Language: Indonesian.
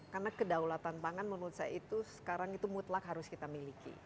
karena kedaulatan pangan menurut saya itu sekarang itu mutlak harus kita miliki